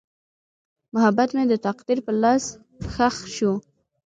محبت مې د تقدیر په لاس ښخ شو.